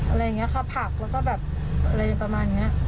อะไรอย่างนี้ค่ะผักแล้วก็แบบอะไรประมาณนี้